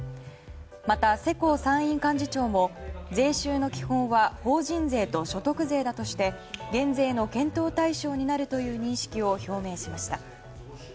また、世耕参院幹事長も税収の基本は法人税と所得税だとして減税の検討対象になるという認識を表明しました。